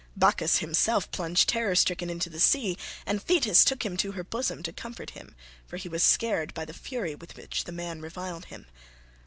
Bacchus himself plunged terror stricken into the sea, and Thetis took him to her bosom to comfort him, for he was scared by the fury with which the man reviled him.